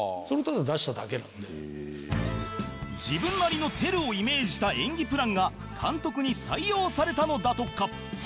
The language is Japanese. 自分なりのテルをイメージした演技プランが監督に採用されたのだとか